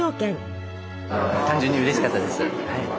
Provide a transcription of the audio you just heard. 単純にうれしかったです。